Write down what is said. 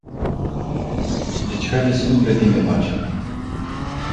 Deci haideți să nu pretindem altceva.